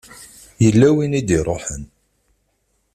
Yella win i d-iṛuḥen.